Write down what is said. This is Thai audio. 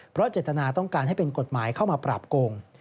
เพราะเจตนาต้องการให้เป็นกฎหมายเข้ามาปราบโกง